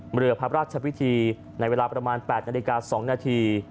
เรือพระราชพิธีในเวลาประมาณ๘นาฬิกา๒นาที